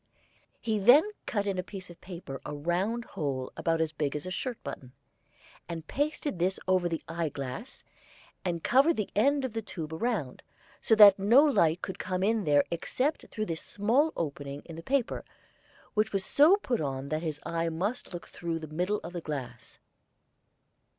He then cut in a piece of paper a round hole about as big as a shirt button, and pasted this over the eyeglass, and covered the end of the tube around, so that no light could come in there except through this small opening in the paper, which was so put on that the eye must look through the middle of the glass.